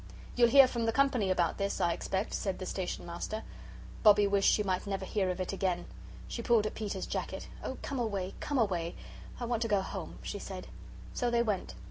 "You'll hear from the Company about this, I expect," said the Station Master. Bobbie wished she might never hear of it again. She pulled at Peter's jacket. "Oh, come away, come away! I want to go home," she said. So they went.